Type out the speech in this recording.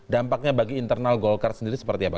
dampaknya bagi internal golkar sendiri seperti apa